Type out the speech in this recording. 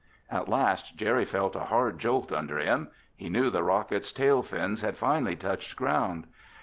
At last Jerry felt a hard jolt under him. He knew the rocket's tail fins had finally touched ground.